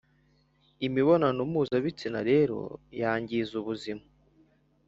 Imibonano mpuzabitsina rero yangiza ubuzima,